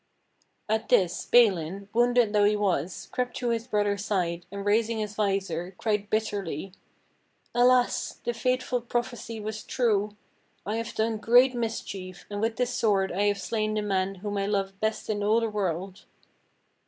At this Balin, wounded though he was, crept to his brother's side, and raising his vizor, cried bitterly: "Alas! the fateful prophecy was true! I have done great mis chief, and with this sword I have slain the man whom I love best in all the world!"